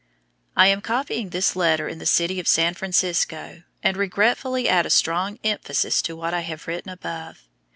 I am copying this letter in the city of San Francisco, and regretfully add a strong emphasis to what I have written above.